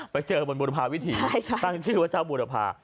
ไปเจอบนบุรพาวิธีตั้งชื่อว่าเจ้าบูรพา